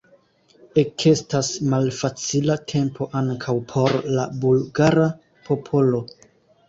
Ekestas malfacila tempo ankaŭ por la bulgara popolo.